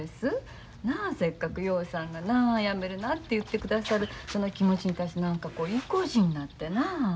なあせっかく陽さんがなあやめるなって言ってくださるその気持ちに対して何かこう依怙地になってなあ。